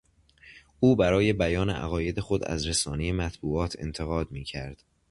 او برای بیان عقاید خود از رسانهی مطبوعات انتقاد میکرد.